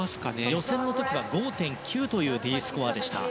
予選の時は５．９というＤスコアでした。